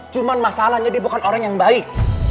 cuma masalahnya dia bukan orang yang baik